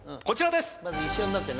こちらです。